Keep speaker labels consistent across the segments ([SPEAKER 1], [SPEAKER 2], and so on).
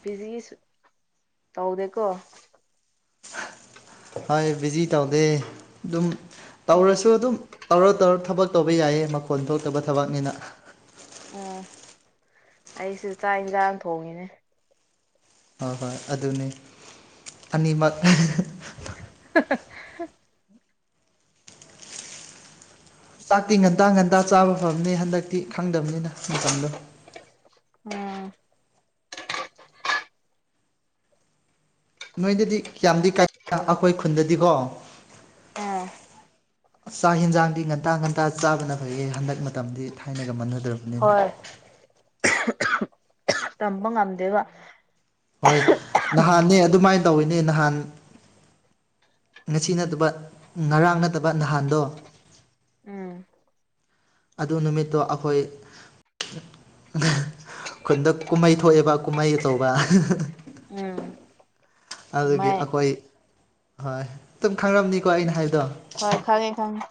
[SPEAKER 1] ꯕꯤꯖꯤꯁ ꯇꯧꯗꯦꯀꯣ
[SPEAKER 2] ꯍꯣꯏ ꯕꯤꯖꯤ ꯇꯧꯗꯦ ꯑꯗꯨꯝ
[SPEAKER 1] ꯎꯝ
[SPEAKER 2] ꯇꯧꯔꯁꯨ ꯑꯗꯨꯝ ꯇꯧꯔ ꯇꯧꯔ ꯊꯕꯛ ꯇꯧꯕ ꯌꯥꯏꯌꯦ ꯃꯈꯣꯟ ꯊꯣꯛꯇꯕ ꯊꯕꯛꯅꯤꯅ
[SPEAKER 1] ꯑꯥ ꯑꯩꯁꯨ ꯆꯥꯛ ꯏꯟꯁꯥꯡ ꯊꯣꯡꯉꯤꯅꯦ
[SPEAKER 2] ꯍꯣ ꯍꯣꯏ ꯑꯗꯨꯅꯤ ꯑꯅꯤꯃꯛ
[SPEAKER 1] [unintelligible]
[SPEAKER 2] ꯆꯥꯛꯇꯤ ꯉꯟꯇꯥ ꯉꯟꯇꯥ ꯆꯥꯕ ꯐꯕꯅꯦ ꯍꯟꯗꯛꯇꯤ ꯈꯪꯗꯕꯅꯤꯅ ꯃꯇꯝꯗꯣ
[SPEAKER 1] ꯎꯝ
[SPEAKER 2] ꯅꯣꯏꯗꯗꯤ ꯀꯌꯥꯝꯗꯤ ꯀꯥꯏ ꯑꯈꯣꯏ ꯈꯨꯟꯗꯗꯤꯀꯣ
[SPEAKER 1] ꯑꯥ
[SPEAKER 2] ꯆꯥꯛ ꯌꯦꯟꯖꯥꯡꯗꯤ ꯉꯟꯇꯥ ꯉꯟꯇꯥ ꯆꯥꯕꯅ ꯐꯩꯌꯦ ꯍꯟꯗꯛ ꯃꯇꯝꯗꯤ ꯊꯥꯏꯅꯒ ꯃꯥꯟꯅ
[SPEAKER 1] ꯍꯣꯏ
[SPEAKER 2] [unintelligible]
[SPEAKER 1] ꯇꯝꯕ ꯉꯝꯗꯦꯕ
[SPEAKER 2] ꯍꯣꯏ ꯅꯍꯥꯟꯅꯦ ꯑꯗꯨꯃꯥꯏꯅ ꯇꯧꯋꯦꯅꯦ ꯅꯍꯥꯟ ꯉꯁꯤ ꯅꯠꯇꯕ ꯉꯔꯥꯡ ꯅꯠꯇꯕ ꯅꯍꯥꯟꯗꯣ
[SPEAKER 1] ꯎꯝ
[SPEAKER 2] ꯑꯗꯨ ꯅꯨꯃꯤꯠꯇꯣ ꯑꯈꯣꯏ ꯈꯨꯟꯗ ꯀꯨꯝꯃꯩ ꯊꯣꯛꯑꯦꯕ ꯀꯨꯝꯃꯩ ꯑꯆꯧꯕ
[SPEAKER 1] ꯎꯝ
[SPEAKER 2] ꯑꯗꯨꯒꯤ
[SPEAKER 1] ꯀꯃꯥꯏ
[SPEAKER 2] ꯑꯈꯣꯏ ꯍꯣꯏ ꯑꯗꯨꯝ ꯈꯪꯔꯝꯅꯤ
[SPEAKER 1] ꯍꯣꯏ ꯈꯪꯉꯦ ꯈꯪꯉꯦ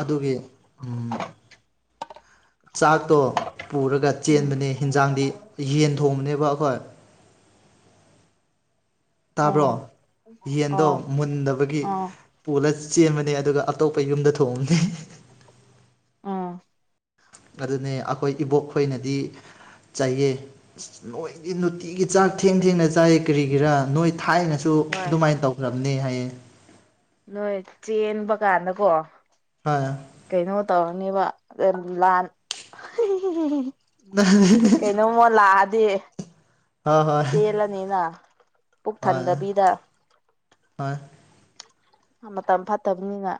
[SPEAKER 2] ꯑꯗꯨꯒꯤ ꯎꯝ ꯆꯥꯛꯇꯣ ꯄꯨꯔꯒ
[SPEAKER 1] ꯎꯝ
[SPEAKER 2] ꯆꯦꯟꯕꯅꯦ ꯍꯤꯟꯖꯥꯡꯗꯤ ꯌꯦꯟ ꯊꯣꯡꯕꯅꯦꯕ ꯑꯩꯈꯣꯏ ꯇꯥꯕ꯭ꯔꯣ
[SPEAKER 1] ꯑꯣ
[SPEAKER 2] ꯌꯦꯟꯗꯣ
[SPEAKER 1] ꯑꯣ
[SPEAKER 2] ꯃꯨꯟꯗꯕꯒꯤ
[SPEAKER 1] ꯑꯣ
[SPEAKER 2] ꯄꯨꯂ ꯆꯦꯟꯕꯅꯦ ꯑꯗꯨꯒ ꯑꯇꯣꯞꯄ ꯌꯨꯝꯗ ꯊꯣꯡꯕꯅꯦ
[SPEAKER 1] [inaudible]
[SPEAKER 2] ꯑꯗꯨꯅꯦ ꯑꯈꯣꯏ ꯏꯕꯣꯛ ꯈꯣꯏꯅꯗꯤ ꯆꯩꯌꯦ ꯅꯣꯏꯗꯤ ꯅꯨꯇꯤꯒꯤ ꯆꯥꯛ ꯊꯦꯡ ꯊꯦꯡꯅ ꯆ ꯆꯥꯏ ꯀꯔꯤꯒꯤꯔꯥ ꯅꯣꯏ ꯊꯥꯏꯅꯁꯨ
[SPEAKER 1] ꯍꯣꯏ
[SPEAKER 2] ꯑꯗꯨꯃꯥꯏꯟ ꯇꯧꯈ꯭ꯔꯕꯅꯦ ꯍꯥꯏꯌꯦ
[SPEAKER 1] ꯅꯣꯏ ꯆꯦꯟꯕ ꯀꯥꯟꯗꯀꯣ
[SPEAKER 2] ꯍꯣꯏ
[SPEAKER 1] ꯀꯩꯅꯣ ꯇꯧꯔꯅꯤꯕ ꯑ ꯂꯥꯟ ꯀꯩꯅꯣꯃ ꯂꯥꯛꯑ ꯗꯤ
[SPEAKER 2] ꯍꯣꯏ ꯍꯣꯏ
[SPEAKER 1] ꯆꯦꯜꯂꯅꯤꯅ ꯄꯨꯛ
[SPEAKER 2] ꯍꯣꯏ
[SPEAKER 1] ꯊꯟꯗꯕꯤꯗ
[SPEAKER 2] ꯍꯣꯏ
[SPEAKER 1] ꯃꯇꯝ ꯐꯠꯇꯝꯅꯤꯅ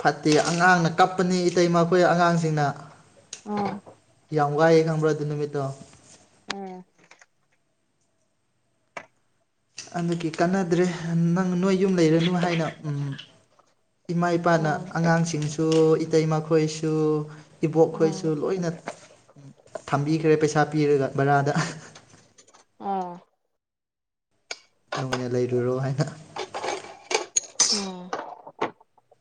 [SPEAKER 2] ꯐꯠꯇꯦ ꯑꯉꯥꯡꯅ ꯀꯞꯄꯅꯤ ꯏꯇꯩ ꯃꯈꯣꯏ ꯑꯉꯥꯡꯁꯤꯡꯅ
[SPEAKER 1] ꯑꯥ
[SPEAKER 2] ꯌꯥꯝ ꯋꯥꯏꯑꯦ ꯈꯪꯕ꯭ꯔ ꯑꯗꯨ ꯅꯨꯃꯤꯠꯇꯣ
[SPEAKER 1] ꯎꯝ
[SPEAKER 2] [unintelligible] ꯀꯥꯟꯅꯗ꯭ꯔꯦ ꯅꯪ ꯅꯣꯏ ꯌꯨꯝ ꯂꯩꯔꯅꯨ ꯍꯥꯏꯅ ꯎꯝ ꯏꯃꯥ ꯏꯄꯥꯅ
[SPEAKER 1] ꯎꯝ
[SPEAKER 2] ꯑꯉꯥꯡꯁꯤꯡꯁꯨ ꯏꯇꯩꯃꯈꯣꯏ ꯁꯨ ꯏꯕꯣꯛ
[SPEAKER 1] ꯎꯝ
[SPEAKER 2] ꯈꯣꯏꯁꯨ ꯂꯣꯏꯅ ꯊꯝꯕꯤꯈ꯭ꯔꯦ ꯄꯩꯥ ꯁꯥ ꯄꯤꯔꯒ ꯕꯔꯥꯗ
[SPEAKER 1] ꯑꯥ
[SPEAKER 2] ꯅꯨꯡꯉꯥꯏꯅ ꯂꯩꯔꯨꯔꯣ ꯍꯥꯏꯅ
[SPEAKER 1] [unintelligible]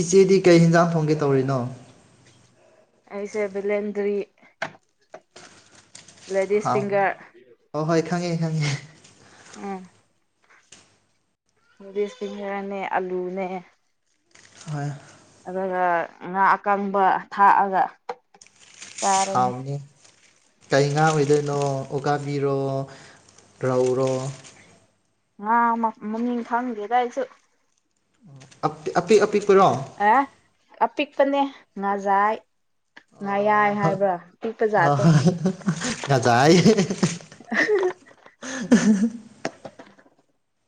[SPEAKER 2] ꯏꯆꯦꯗꯤ ꯀꯩ ꯍꯦꯟꯖꯥꯡ ꯊꯣꯡꯒꯦ ꯇꯧꯔꯤꯅꯣ
[SPEAKER 1] ꯑꯩꯁꯦ ꯕꯦꯂꯦꯟꯗꯔꯤ
[SPEAKER 2] ꯍꯥꯎ ꯍꯣꯏ ꯍꯣꯏ ꯈꯪꯉꯦ ꯈꯪꯉꯦ
[SPEAKER 1] ꯎꯝ ꯂꯦꯗꯤꯁꯐꯤꯡꯚꯔꯅꯦ ꯑꯂꯨꯅꯦ
[SPEAKER 2] ꯍꯣꯏ
[SPEAKER 1] ꯑꯗꯨꯒ ꯉꯥ ꯑꯀꯪꯕ ꯊꯥꯛꯑꯒ ꯆꯥꯔꯅꯤ
[SPEAKER 2] ꯍꯥꯎꯅꯤ ꯀꯩ ꯉꯥ ꯑꯣꯏꯗꯣꯏꯅꯣ ꯎꯀꯥꯕꯤꯔꯣ ꯔꯧꯔꯣ
[SPEAKER 1] ꯉꯥ ꯃ ꯃꯃꯤꯡ ꯈꯪꯗꯦꯗ ꯑꯩꯁꯨ
[SPEAKER 2] ꯑꯄꯤꯛ ꯑꯄꯤꯛꯄꯔꯣ
[SPEAKER 1] ꯑꯦ ꯑꯄꯤꯛꯄꯅꯦ ꯉꯥꯖꯥꯏ ꯉꯥꯌꯥꯏ
[SPEAKER 2] ꯑꯣ
[SPEAKER 1] ꯍꯥꯏꯕ꯭ꯔꯥ
[SPEAKER 2] ꯑ
[SPEAKER 1] ꯄꯤꯛꯄꯖꯥꯠꯇꯣ
[SPEAKER 2] ꯉꯖꯥꯏ
[SPEAKER 1] ꯑꯍꯥꯍꯥ
[SPEAKER 2] [inaudible]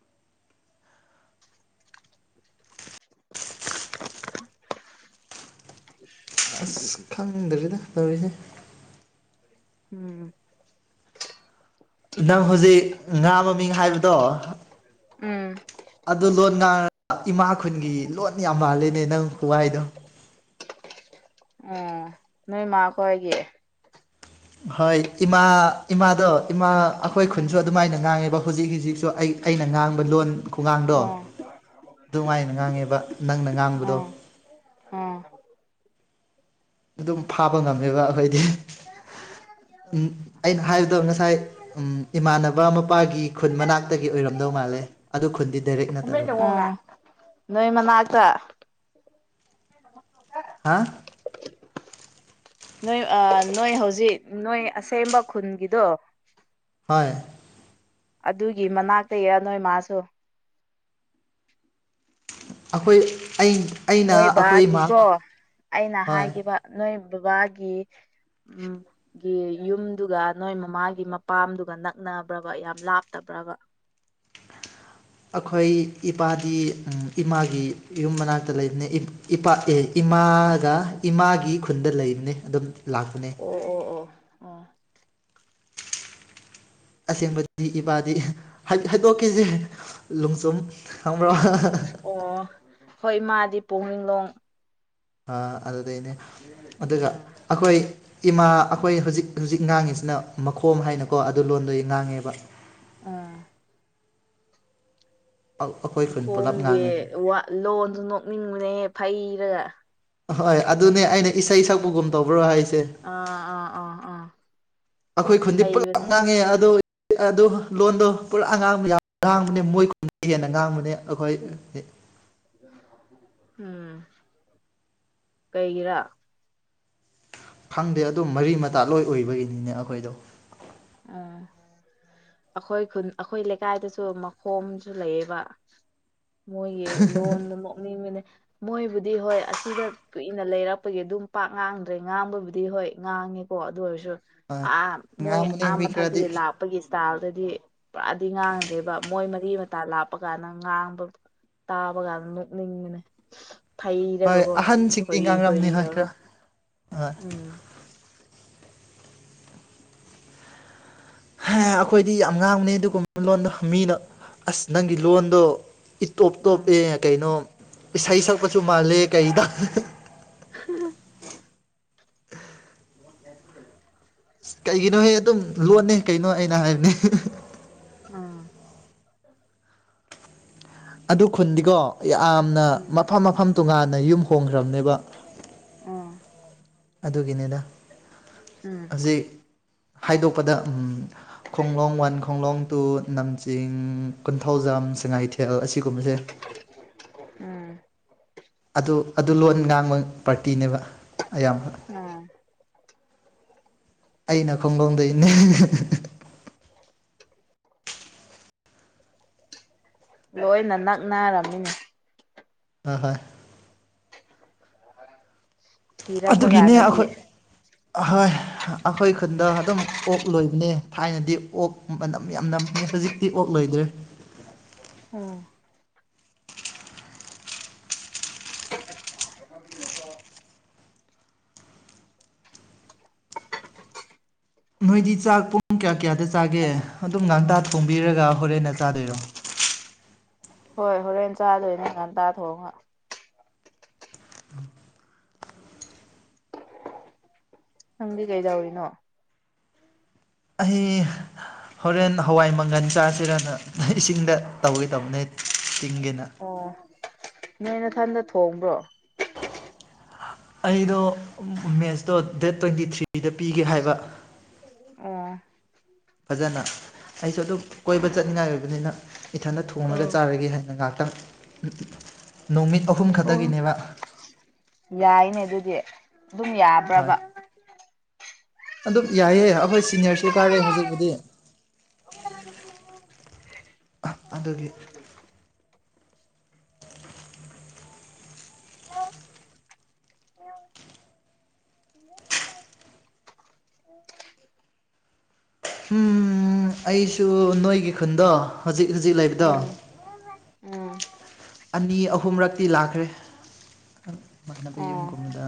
[SPEAKER 2] ꯑꯁ ꯈꯪꯗ꯭ꯔꯦꯗ ꯇꯧꯔꯤꯁꯦ
[SPEAKER 1] ꯎꯝ
[SPEAKER 2] ꯅꯪ ꯍꯧꯖꯤꯛ ꯉꯥ ꯃꯃꯤꯡ ꯍꯥꯏꯕꯗꯣ
[SPEAKER 1] ꯎꯝ
[SPEAKER 2] ꯑꯗꯨ ꯂꯣꯟ ꯉꯥ ꯏꯃꯥ ꯈꯨꯟꯒꯤ ꯂꯣꯟ ꯌꯥꯝ ꯃꯥꯜꯂꯤꯅꯦ ꯅꯪ ꯈꯨꯍꯥꯏꯗꯣ
[SPEAKER 1] ꯅꯣꯏꯃꯈꯣꯏꯒꯤ
[SPEAKER 2] ꯍꯣꯏ ꯏꯃꯥ ꯏꯃꯥꯗꯣ ꯏꯃꯥ ꯑꯩꯈꯣꯏ
[SPEAKER 1] ꯎꯝ
[SPEAKER 2] ꯈꯨꯟꯁꯨ ꯑꯗꯨꯃꯥꯏꯅ ꯉꯥꯡꯉꯦꯕ ꯍꯧꯖꯤꯛ ꯍꯧꯖꯤꯛꯁꯨ ꯑꯩ ꯑꯩꯅ ꯉꯥꯡꯕ ꯂꯣꯟ ꯈꯨꯉꯥꯡꯗꯣ
[SPEAKER 1] ꯎꯝ
[SPEAKER 2] ꯑꯗꯨꯃꯏꯅ ꯉꯥꯡꯉꯦꯕ ꯅꯪꯅ ꯉꯥꯡꯕꯗꯣ
[SPEAKER 1] ꯑꯥ
[SPEAKER 2] ꯑꯗꯨꯝ ꯐꯥꯕ ꯉꯝꯃꯦꯕ ꯑꯩꯈꯣꯏꯗꯤ
[SPEAKER 1] [unintelligible]
[SPEAKER 2] ꯎꯝ ꯑꯩꯅ ꯍꯥꯏꯕꯗꯣ ꯉꯁꯥꯏ ꯎꯝ ꯏꯃꯥꯟꯅꯕ ꯃꯄꯥꯒꯤ ꯈꯨꯟ ꯃꯅꯥꯛꯇꯒꯤ ꯑꯣꯏꯔꯝꯗꯧ ꯃꯥꯜꯂꯦ ꯑꯗꯨ ꯈꯨꯟꯗꯤ ꯗꯥꯏꯔꯦꯛ ꯅꯠꯇꯕ
[SPEAKER 1] ꯎꯝ ꯅꯣꯏ ꯃꯅꯛꯇ
[SPEAKER 2] ꯍꯥ
[SPEAKER 1] ꯅꯣꯏ ꯑ ꯅꯣꯏ ꯍꯧꯖꯤꯛ ꯅꯣꯏ ꯑꯁꯦꯝꯕ ꯈꯨꯟꯒꯤꯗꯣ
[SPEAKER 2] ꯍꯣꯏ
[SPEAKER 1] ꯑꯗꯨꯒꯤ ꯃꯅꯥꯛꯇꯩꯔ ꯅꯣꯏ ꯃꯥꯁꯨ
[SPEAKER 2] ꯑꯩꯈꯣꯏ ꯑꯩ ꯑꯩꯅ
[SPEAKER 1] ꯅꯣꯏ
[SPEAKER 2] ꯑꯩꯈꯣꯏ ꯏꯃꯥ
[SPEAKER 1] ꯕꯥꯒꯤꯀꯣ ꯑꯩꯅ
[SPEAKER 2] ꯍꯣꯏ
[SPEAKER 1] ꯍꯥꯏꯒꯦꯕ ꯅꯣꯏ ꯕꯥꯕꯥꯒꯤ ꯎꯝ ꯒꯤ ꯌꯨꯝꯗꯨꯒ ꯅꯣꯏ ꯃꯃꯥꯒꯤ ꯃꯄꯥꯝꯗꯨꯒ ꯅꯛꯅꯕ꯭ꯔꯥꯕ ꯌꯥꯝ ꯂꯥꯞꯇꯕ ꯄ꯭ꯔꯥꯕ
[SPEAKER 2] ꯑꯩꯈꯣꯏ ꯏꯄꯥꯗꯤ ꯏꯃꯥꯒꯤ ꯌꯨꯝ ꯃꯅꯥꯛꯇ ꯂꯩꯕꯅꯦ ꯏꯄꯥ ꯏ ꯏꯃꯥꯒ ꯏꯃꯥꯒꯤ ꯈꯨꯟꯗ ꯂꯩꯕꯅꯤ ꯑꯗꯨꯝ ꯂꯥꯛꯄꯅꯦ
[SPEAKER 1] ꯑꯣ ꯑꯣ ꯑꯣ ꯑꯣ
[SPEAKER 2] ꯑꯁꯦꯡꯕꯗꯤ ꯏꯃꯥꯗꯤ ꯍꯥꯏ ꯍꯥꯏꯗꯣꯛꯀꯦꯁꯦ ꯂꯣꯡꯆꯨꯝ ꯈꯪꯕ꯭ꯔꯣ ꯑꯥ
[SPEAKER 1] ꯑꯣ ꯍꯣꯏ ꯃꯥꯗꯤ ꯄꯣꯛꯅꯤꯡꯂꯣꯡ
[SPEAKER 2] ꯑ ꯑꯗꯨꯗꯩꯅꯦ ꯑꯗꯨꯒ
[SPEAKER 1] ꯎꯝ
[SPEAKER 2] ꯑꯩꯈꯣꯏ ꯏꯃꯥ ꯑꯩꯈꯣꯏ ꯍꯧꯖꯤꯛ ꯍꯧꯖꯤꯛ ꯉꯥꯡꯉꯤꯁꯤꯅ ꯃꯈꯣꯝ ꯍꯥꯏꯅꯀꯣ ꯑꯗꯨ ꯂꯣꯟꯗꯨꯏ ꯉꯥꯡꯉꯦꯕ
[SPEAKER 1] ꯑꯥ
[SPEAKER 2] ꯑꯩꯈꯣꯏ ꯈꯨꯟ ꯄꯨꯂꯞ
[SPEAKER 1] ꯃꯈꯣꯡꯒꯤ
[SPEAKER 2] ꯉꯥꯡꯉꯦꯕ
[SPEAKER 1] ꯋꯥ ꯂꯣꯟꯁꯨ ꯅꯣꯛꯅꯤꯡꯕꯅꯦꯍꯦ ꯐꯩꯔꯒ
[SPEAKER 2] ꯍꯣꯏ ꯑꯗꯨꯅꯦ ꯑꯩꯅ ꯏꯁꯩ ꯁꯛꯄꯒꯨꯝ ꯇꯧꯕ꯭ꯔꯣ ꯍꯥꯏꯁ
[SPEAKER 1] ꯑꯥ ꯑꯥ ꯑꯥ ꯑꯥ
[SPEAKER 2] ꯑꯩꯈꯣꯏ ꯈꯨꯟꯗꯤ ꯄꯨꯂꯞ
[SPEAKER 1] ꯐꯩꯕꯅꯦ
[SPEAKER 2] ꯉꯥꯡꯉꯦ ꯑꯗꯣ ꯑꯗꯨ ꯂꯣꯟꯗꯣ ꯄꯨꯔꯥ ꯑꯉꯥꯡ ꯃꯌꯥꯝ ꯉꯥꯡꯕꯅꯦ ꯃꯣꯏ ꯈꯨꯟꯅ ꯍꯦꯟꯅ ꯉꯥꯡꯕꯅꯦ ꯑꯩꯈꯣꯏ ꯑꯦ
[SPEAKER 1] ꯎꯝ ꯀꯩꯒꯤꯔꯥ
[SPEAKER 2] ꯈꯪꯗꯦ ꯑꯗꯨꯝ ꯃꯔꯤ- ꯃꯇꯥ ꯂꯣꯏ ꯑꯣꯏꯕꯒꯤꯅꯤꯅꯦ ꯑꯩꯈꯣꯏꯗꯣ
[SPEAKER 1] ꯑꯥꯑꯥ ꯑꯩꯈꯣꯏ ꯈꯨꯟ ꯑꯩꯈꯣꯏ ꯂꯩꯀꯥꯏꯗꯖꯨ ꯃꯈꯣꯝꯖꯨ ꯂꯩꯌꯦꯕ ꯃꯣꯏꯒꯤ ꯂꯣꯟꯗꯣ ꯅꯣꯛꯅꯤꯡꯕꯅꯦ ꯃꯣꯏꯕꯨꯗꯤ ꯍꯣꯏ ꯑꯁꯤꯗ ꯀꯨꯏꯅ ꯂꯩꯔꯛꯄꯒꯤ ꯑꯗꯨꯝ ꯄꯥꯛ ꯉꯥꯡꯗ꯭ꯔꯦ ꯉꯥꯡꯕꯕꯨꯗꯤ ꯍꯣꯏ ꯉꯥꯡꯉꯤ ꯀꯣ ꯑꯗꯨ ꯑꯣꯏꯔꯗꯨ ꯑꯥ ꯃꯣꯏ
[SPEAKER 2] ꯉꯥꯡꯕꯅꯦ
[SPEAKER 1] ꯑꯥ
[SPEAKER 2] ꯃꯤ ꯈꯔꯗꯤ
[SPEAKER 1] ꯃꯊꯛꯇꯒꯤ ꯂꯥꯛꯄꯒꯤ ꯏꯁꯇꯥꯏꯜ ꯨꯗꯗꯤ ꯄꯨꯔꯥꯗꯤ ꯉꯥꯡꯗ꯭ꯔꯦꯕ ꯃꯣꯏ ꯃꯔꯤ- ꯃꯇꯥ ꯂꯥꯛꯄ ꯀꯥꯟꯗ ꯉꯥꯡꯕ ꯇꯥꯕ ꯀꯥꯟꯗ ꯅꯣꯛꯅꯤꯡꯕꯅꯦ ꯊꯩꯔꯒ
[SPEAKER 2] ꯍꯣꯏ
[SPEAKER 1] ꯀꯣ
[SPEAKER 2] ꯑꯍꯟꯁꯤꯡꯗꯤ
[SPEAKER 1] ꯈꯣꯏꯔꯤ ꯈꯣꯏꯔꯤ
[SPEAKER 2] ꯉꯥꯡꯔꯝꯅꯤ ꯍꯣꯏ
[SPEAKER 1] ꯇꯧꯔ
[SPEAKER 2] ꯈꯔ ꯍꯣꯏ
[SPEAKER 1] ꯎꯪꯝ
[SPEAKER 2] ꯍꯦ ꯑꯩꯈꯣꯏꯗꯤ ꯌꯥꯝ ꯉꯥꯡꯕꯅꯤ ꯑꯗꯨꯒꯨꯝꯕ ꯂꯣꯟꯗꯣ ꯃꯤꯅ ꯑꯥꯁ ꯅꯪꯒꯤ ꯂꯣꯟꯗꯣ ꯏꯇꯣꯞ-
[SPEAKER 1] ꯎꯝ
[SPEAKER 2] ꯇꯣꯞꯄꯦ ꯀꯩꯅꯣ ꯏꯁꯩ ꯁꯛꯄꯨꯁꯨ
[SPEAKER 1] ꯎꯝ
[SPEAKER 2] ꯃꯥꯜꯂꯦ ꯀꯩꯗ
[SPEAKER 1] INAUDIBLE
[SPEAKER 2] ꯢꯁ ꯀꯩꯒꯤꯅꯣꯍꯦ ꯑꯗꯨꯝ ꯂꯣꯟꯅꯦ ꯀꯩꯅꯣ ꯑꯩꯅ ꯍꯥꯏꯕꯅꯦ
[SPEAKER 1] ꯑꯥꯑꯥ
[SPEAKER 2] ꯑꯗꯨ ꯈꯨꯟꯗꯤꯀꯣ ꯌꯥꯝꯅ
[SPEAKER 1] ꯎꯝ
[SPEAKER 2] ꯃꯐꯝ ꯃꯐꯝ ꯇꯣꯉꯥꯟꯅ ꯌꯨꯝ ꯍꯣꯡꯈ꯭ꯔꯕꯅꯦꯕ
[SPEAKER 1] INAUDIBLE
[SPEAKER 2] ꯑꯥꯗꯨꯒꯤꯅꯦꯗ
[SPEAKER 1] ꯎꯝ
[SPEAKER 2] ꯍꯥꯏꯗꯣꯛꯄꯗ ꯎꯝ ꯈꯣꯡꯂꯣꯡ ꯋꯥꯟ ꯈꯣꯡꯂꯣꯡ ꯇꯨ ꯅꯝꯖꯤꯡ ꯀꯣꯟꯊꯧꯖꯝ ꯁꯉꯥꯏꯊꯦꯜ ꯑꯁꯤꯒꯨꯝꯕꯖꯦ INAUDIBLE
[SPEAKER 1] INAUDIBLE
[SPEAKER 2] ꯑꯥꯗꯨ ꯑꯥꯗꯨ ꯂꯣꯟ ꯉꯥꯡꯕ ꯄꯥꯔꯇꯤꯅꯦꯕ ꯑꯌꯥꯝꯕ
[SPEAKER 1] ꯑꯥꯑꯥ
[SPEAKER 2] ꯑꯩꯅ ꯈꯣꯡꯂꯣꯡꯗꯩꯅꯦ
[SPEAKER 1] ꯂꯣꯏꯅ ꯅꯛꯅꯔꯝꯃꯤ
[SPEAKER 2] ꯑꯥꯍꯣꯏ
[SPEAKER 1] ꯊꯤꯔꯛꯄꯥ ꯀꯥꯟꯗꯗꯤ
[SPEAKER 2] ꯑꯥꯍꯣꯏ ꯑꯩꯈꯣꯏ ꯈꯨꯟꯗꯣ ꯑꯗꯨꯝ ꯑꯣꯛ ꯂꯣꯏꯕꯅꯦ ꯊꯥꯏꯅꯗꯤ ꯑꯣꯛ ꯃꯅꯝ ꯌꯥꯝ ꯅꯝ ꯍꯧꯖꯤꯛꯇꯤ ꯑꯣꯛꯂꯣꯏꯗ꯭ꯔꯦ
[SPEAKER 1] INAUDIBLE
[SPEAKER 2] ꯅꯣꯏꯗꯤ ꯆꯥꯛ ꯄꯨꯡ ꯀꯌꯥ- ꯀꯌꯥꯗ ꯆꯥꯒꯦ ꯑꯗꯨꯝ ꯉꯥꯟꯇꯥ ꯊꯣꯡꯕꯤꯔꯒ ꯍꯣꯔꯦꯟꯅ ꯆꯥꯗꯣꯏꯔꯣ
[SPEAKER 1] ꯍꯣꯏ ꯍꯣꯔꯦꯟ ꯆꯥꯗꯣꯏꯅꯦ ꯉꯟꯇꯥ ꯊꯣꯡꯉ
[SPEAKER 2] INAUDIBLE
[SPEAKER 1] ꯅꯪꯗꯤ ꯀꯩꯗꯧꯔꯤꯅꯣ
[SPEAKER 2] ꯑꯥꯍꯩ ꯍꯣꯔꯦꯟ ꯍꯋꯥꯏ ꯃꯪꯒꯜ ꯆꯥꯁꯤꯔꯅ ꯏꯁꯤꯡꯗ ꯇꯧꯒꯦ ꯇꯧꯕꯅꯦ ꯇꯤꯡꯒꯦꯅ
[SPEAKER 1] ꯑꯣ ꯅꯣꯏ ꯅꯊꯟꯗꯊꯣꯡꯕ꯭ꯔꯣ
[SPEAKER 2] ꯑꯩꯗꯣ ꯃꯦꯠꯁꯇꯣ ꯗꯦꯠ ꯇ꯭ꯋꯦꯟꯇꯤ ꯊ꯭ꯔꯤꯗ ꯄꯤꯒꯦ ꯍꯥꯏꯕ
[SPEAKER 1] ꯑꯣꯑꯣ
[SPEAKER 2] ꯐꯖꯅ ꯑꯩꯖꯨꯑꯗꯨꯝ ꯀꯣꯏꯕ ꯆꯠꯅꯤꯡꯉꯥꯏ ꯑꯣꯏꯕꯅꯤꯅ ꯏꯊꯟꯗ ꯊꯣꯡꯂꯒ ꯆꯥꯔꯒꯦ ꯍꯥꯏꯅ ꯉꯥꯛ ꯅꯨꯃꯤꯠ ꯑꯍꯨꯝ ꯈꯛꯇꯒꯤꯅꯦꯕ
[SPEAKER 1] ꯌꯥꯏꯅꯦ ꯑꯗꯨꯗꯤ ꯑꯗꯨꯝ
[SPEAKER 2] ꯍꯣꯏ
[SPEAKER 1] ꯌꯥꯕ꯭ꯔꯕ
[SPEAKER 2] ꯑꯗꯨꯝ ꯌꯥꯏꯑꯦ ꯑꯩꯈꯣꯏ ꯁꯤꯅꯤꯌꯔꯁꯨ ꯀꯥꯔꯦ ꯍꯧꯖꯤꯛꯄꯨꯗꯤ ꯑꯗꯨꯒꯤ ꯎꯝ ꯑꯩꯁꯨ ꯅꯣꯏꯒꯤ ꯈꯨꯟꯗꯣ ꯍꯧꯖꯤꯛ ꯍꯧꯖꯤꯛ ꯂꯩꯕꯗꯣ
[SPEAKER 1] ꯎꯝ ꯎꯝ
[SPEAKER 2] ꯑꯅꯤ ꯑꯍꯨꯝꯔꯛꯇꯤ ꯂꯥꯛꯈ꯭ꯔꯦ ꯃꯥꯟꯅꯕ
[SPEAKER 1] ꯑꯣ
[SPEAKER 2] ꯌꯨꯝꯒꯨꯝꯕꯗ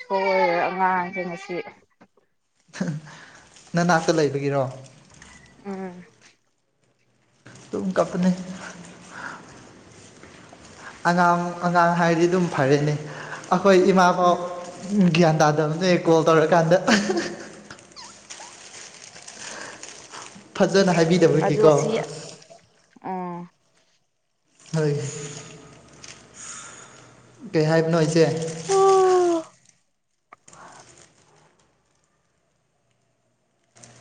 [SPEAKER 1] ꯁꯣꯏꯔꯦ [unintelligible]
[SPEAKER 2] ꯍꯍ ꯅꯅꯥꯛꯇ ꯂꯩꯕꯒꯤꯔꯣ
[SPEAKER 1] ꯎꯝ
[SPEAKER 2] ꯇꯨꯝ ꯀꯞꯄꯅꯦ
[SPEAKER 1] [inaudible]
[SPEAKER 2] ꯑꯉꯥꯡ ꯑꯉꯥꯡ ꯍꯥꯏꯔꯗꯤ ꯑꯗꯨꯝ ꯐꯔꯦꯅꯦ ꯑꯩꯈꯣꯏ ꯏꯃꯥ ꯐꯥꯎ
[SPEAKER 1] ꯎꯝ
[SPEAKER 2] ꯒ꯭ꯌꯥꯟ ꯇꯥꯗꯕꯅꯦ ꯀꯣꯜ ꯇꯧꯔꯀꯥꯟꯗ
[SPEAKER 1] [inaudible]
[SPEAKER 2] ꯐꯖꯥꯟꯅ
[SPEAKER 1] ꯑꯗꯨ
[SPEAKER 2] ꯍꯥꯏꯕꯤꯗꯕꯒꯤꯀꯣ
[SPEAKER 1] ꯑꯁꯤ ꯎꯝ
[SPEAKER 2] ꯍꯣꯏ ꯀꯩ ꯍꯥꯏꯕꯅꯣ ꯏꯆꯦ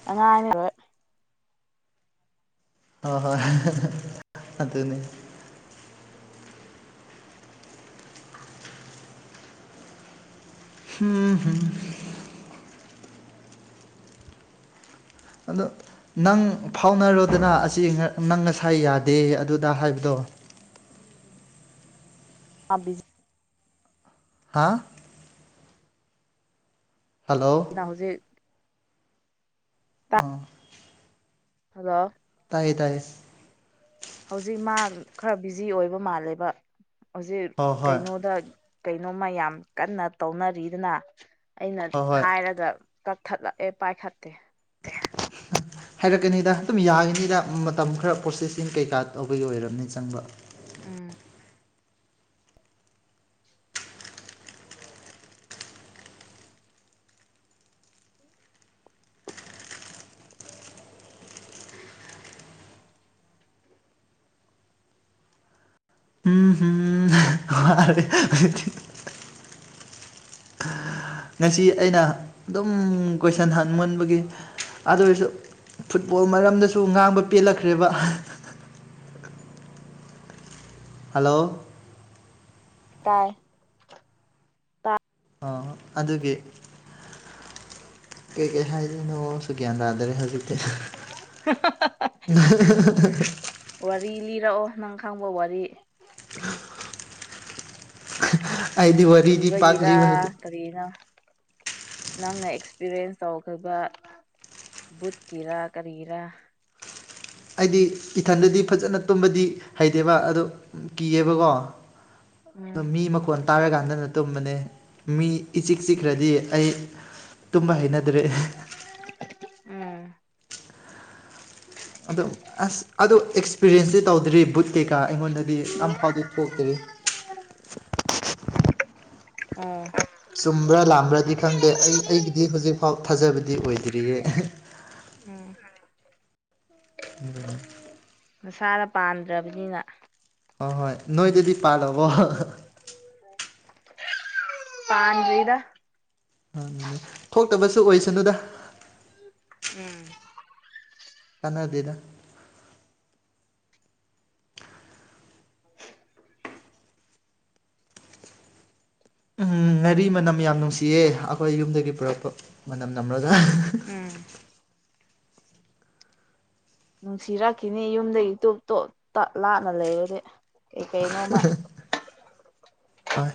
[SPEAKER 1] ꯑꯉꯥꯡꯉꯔꯣꯏ
[SPEAKER 2] ꯍꯣꯏ ꯍꯣꯏ ꯑꯗꯨꯅꯤ ꯍꯝꯍꯝ ꯑꯗꯣ ꯅꯪ ꯐꯥꯎꯅꯔꯣꯗꯅ ꯑꯁꯤ ꯅꯪ ꯉꯁꯥꯏ ꯌꯥꯗꯦ ꯑꯗꯨꯗ ꯍꯥꯏꯕꯗꯣ
[SPEAKER 1] [inaudible] ꯑꯥꯕꯤꯖꯤ
[SPEAKER 2] ꯍꯥ ꯍꯜꯂꯣ
[SPEAKER 1] ꯅ ꯍꯧꯖꯤꯛ
[SPEAKER 2] ꯑꯥ
[SPEAKER 1] ꯍꯜꯂꯣ
[SPEAKER 2] ꯇꯥꯏꯌꯦ ꯇꯥꯏꯌꯦ
[SPEAKER 1] ꯍꯧꯖꯤꯛ ꯃꯥ ꯈꯔ ꯕꯤꯖꯤ ꯑꯣꯏꯕ ꯃꯥꯜꯂꯦꯕ ꯍꯧꯖꯤꯛ
[SPEAKER 2] ꯍꯣꯏ ꯍꯣꯏ
[SPEAKER 1] ꯀꯩꯅꯣꯗ ꯀꯩꯅꯣꯝꯃ ꯌꯥꯝ ꯀꯟꯅ ꯇꯧꯅꯔꯤꯗꯅ ꯑꯩꯅ
[SPEAKER 2] ꯍꯣꯏ ꯍꯣꯏ
[SPEAKER 1] ꯍꯥꯏꯔꯒ ꯀꯛꯊꯠꯂꯛꯑꯦ ꯄꯥꯏꯈꯠꯇꯦ
[SPEAKER 2] [unintelligible] ꯍꯥꯏꯔꯛꯀꯅꯤꯗ ꯑꯗꯨꯝ ꯌꯥꯒꯅꯤꯗ ꯃꯇꯝ ꯈꯔ ꯄ꯭ꯔꯣꯁꯦꯁꯤꯡ ꯀꯩꯀꯥ ꯇꯧꯕꯒꯤ ꯑꯣꯏꯔꯕꯅꯤ ꯆꯪꯕ
[SPEAKER 1] ꯎꯝ
[SPEAKER 2] ꯋꯔꯦ ꯑꯩꯗꯤ ꯉꯁꯤ ꯑꯩꯅ ꯑꯗꯨꯝ ꯀꯣꯏꯁꯟ ꯍꯪꯃꯨꯟꯕꯒꯤ ꯑꯗꯨꯑꯣꯏꯔꯁꯨ ꯐꯨꯠꯕꯣꯜ ꯃꯔꯝꯗꯁꯨ ꯉꯥꯡꯕ ꯄꯦꯜꯂꯛꯈ꯭ꯔꯦꯕ
[SPEAKER 1] [inaudible]
[SPEAKER 2] ꯍꯜꯂꯣ
[SPEAKER 1] ꯇꯥꯏ ꯇꯥꯏ
[SPEAKER 2] ꯑ ꯑꯗꯨꯒꯤ ꯀꯩꯀꯩ ꯍꯥꯏꯗꯣꯏꯅꯣꯁꯨ ꯒ꯭ꯌꯥꯟ ꯇꯥꯗ꯭ꯔꯦ ꯍꯧꯖꯤꯛꯇꯤ [unintelligible]
[SPEAKER 1] ꯔꯛꯑꯣ ꯅꯪ ꯈꯪꯕ ꯋꯥꯔꯤ
[SPEAKER 2] ꯑꯩꯗꯤ ꯋꯥꯔꯤꯗꯤ ꯄꯥꯛ
[SPEAKER 1] ꯀꯤꯕꯒꯤꯔ
[SPEAKER 2] ꯂꯤꯕ ꯍꯩꯇꯦ
[SPEAKER 1] ꯀꯔꯤꯔꯥ ꯅꯪꯅ ꯑꯦꯛꯁꯄꯤꯔꯤꯌꯦꯟꯁ ꯇꯧꯈꯔꯒ ꯕꯨꯠꯀꯤꯔꯥ ꯀꯔꯤꯔꯥ
[SPEAKER 2] ꯑꯩꯗꯤ ꯏꯊꯟꯗꯗꯤ ꯐꯖꯟꯅ ꯇꯨꯝꯕꯗꯤ ꯍꯩꯇꯦꯕ ꯑꯗꯨ ꯀꯤꯌꯦꯕꯀꯣ
[SPEAKER 1] ꯎꯝ
[SPEAKER 2] ꯗꯃꯤ ꯃꯈꯣꯟ ꯇꯥꯔꯀꯥꯟꯗꯅ ꯇꯨꯝꯕꯅꯦ ꯃꯤ ꯏꯆꯤꯛ ꯆꯤꯛꯈ꯭ꯔꯗꯤ ꯑꯩ ꯇꯨꯝꯕ ꯍꯩꯅ
[SPEAKER 1] ꯎꯝ
[SPEAKER 2] ꯑꯗꯣ ꯑꯁ ꯑꯗꯨ ꯑꯦꯛꯁꯄꯤꯔꯤꯌꯦꯟꯁꯇꯤ ꯇꯧꯗ꯭ꯔꯤ ꯕꯨꯠ ꯀꯩꯀꯥ ꯑꯩꯉꯣꯟꯗꯗꯤ ꯑꯝꯐꯥꯎꯗꯤ ꯊꯣꯛꯇ꯭ꯔꯤ
[SPEAKER 1] ꯑꯥ
[SPEAKER 2] ꯆꯨꯝꯕ꯭ꯔꯥ ꯂꯥꯝꯕ꯭ꯔꯥꯗꯤ ꯈꯪꯗꯦ ꯑꯩ ꯑꯩꯒꯤꯗꯤ ꯍꯧꯖꯤꯛꯐꯥꯎ ꯊꯥꯖꯕꯗꯤ ꯑꯣꯏꯗ꯭ꯔꯤꯌꯦ
[SPEAKER 1] ꯎꯝ
[SPEAKER 2] [unintelligible]
[SPEAKER 1] ꯃꯁꯥꯅ ꯄꯥꯝꯗ꯭ꯔꯕꯅꯤꯅ
[SPEAKER 2] ꯍꯣ ꯍꯣꯏ ꯅꯣꯏꯗꯗꯤ ꯄꯥꯜꯂꯕꯣ [unintelligible]
[SPEAKER 1] ꯄꯥꯟꯗ꯭ꯔꯤꯗ
[SPEAKER 2] ꯊꯣꯛꯇꯕꯁꯨ ꯑꯣꯏꯁꯅꯨꯗ
[SPEAKER 1] ꯎꯝ
[SPEAKER 2] ꯀꯥꯅꯗꯦꯗ ꯎꯝ ꯉꯥꯔꯤ ꯃꯅꯝ ꯌꯥꯝ ꯅꯨꯡꯁꯤꯌꯦ ꯑꯩꯈꯣꯏ ꯌꯨꯝꯗꯒꯤ ꯄꯨꯔꯛꯄ ꯃꯅꯝ ꯅꯝꯔꯒ
[SPEAKER 1] ꯎꯝ ꯅꯨꯡꯁꯤꯔꯛꯈꯤꯅꯤ ꯌꯨꯝꯗꯒꯤ ꯇꯣꯞ ꯇꯣꯞ ꯇꯠ ꯂꯥꯞꯅ ꯂꯩꯔꯗꯤ ꯀꯩꯀꯩꯅꯣꯃ
[SPEAKER 2] ꯑꯥꯢ